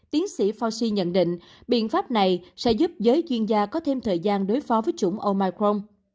tiến sĩ fauci nhận định biện pháp này sẽ giúp giới chuyên gia có thêm thời gian đối phó với chủng omicron